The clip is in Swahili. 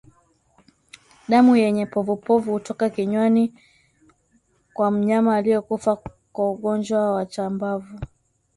Damu yenye povupovu hutoka kinywani kwa mnyama aliyekufa kwa ugonjwa wa chambavu